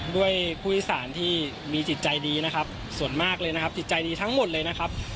ด้วยผู้โดยสารที่มีจิตใจดีนะครับส่วนมากเลยนะครับจิตใจดีทั้งหมดเลยนะครับ